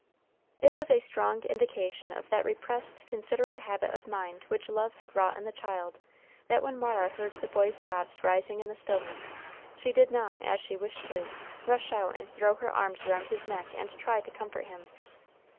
It was a strong indication of that repressed, considerate habit of mind which love had wrought in the child, that when Mara heard the boy's sobs rising in the stillness, she did not, as she wished to, rush out and throw her arms around his neck and try to comfort him.